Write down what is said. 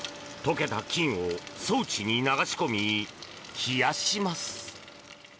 溶けた金を装置に流し込み冷やします。